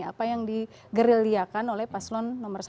apa yang digerilliakan oleh paslon nomor satu